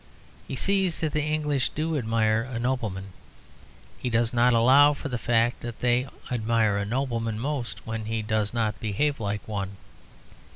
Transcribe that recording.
He sees that the English do admire a nobleman; he does not allow for the fact that they admire a nobleman most when he does not behave like one.